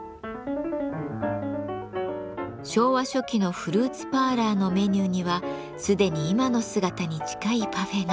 昭和初期のフルーツパーラーのメニューには既に今の姿に近いパフェが。